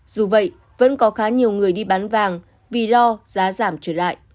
dù vậy vẫn có khá nhiều người đi bán vàng vì lo giá giảm trở lại